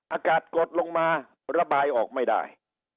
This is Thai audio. อากาศกดลงมาระบายออกไม่ได้